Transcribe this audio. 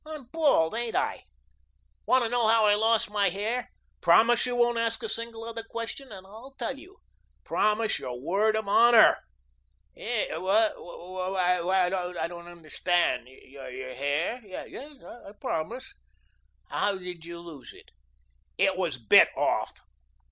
"I'm bald, ain't I? Want to know how I lost my hair? Promise you won't ask a single other question and I'll tell you. Promise your word of honour." "Eh? What wh I I don't understand. Your hair? Yes, I'll promise. How did you lose it?" "It was bit off."